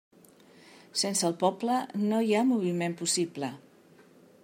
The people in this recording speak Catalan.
Sense el poble no hi ha moviment possible.